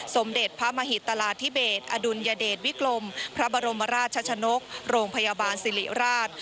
สมเด็จพระมหิตราธิเบสอดุลยเดชวิกลมพระบรมราชชนกโรงพยาบาลสิริราช